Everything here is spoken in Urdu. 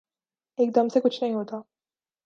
ایک دم سے کچھ نہیں ہوتا۔